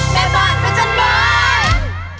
แม่บ้านสัญญาณบ้าน